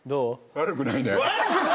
悪くないの！？